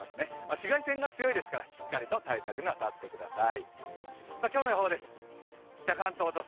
紫外線が強いですからしっかりと対策なさってください。